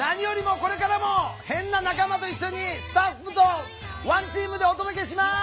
これからも変な仲間と一緒にスタッフとワンチームでお届けします！